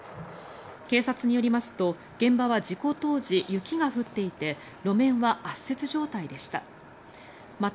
警察によりますと現場は事故当時、雪が降っていて路面は圧雪状態でした。